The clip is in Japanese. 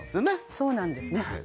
そうなんですね